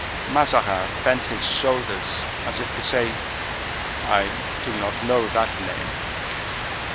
Mazarin bent his shoulders, as if to say:— "I do not know that name."